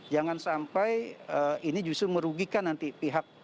jangan sampai ini justru merugikan nanti pihak